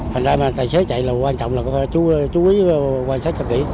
thành ra mà tài xế chạy là quan trọng là phải chú ý quan sát cho kỹ